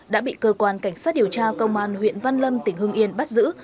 đã bị cơ quan cảnh sát điều tra công an huyện văn lâm tỉnh hưng yên bắt giữ